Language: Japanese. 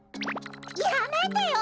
やめてよ！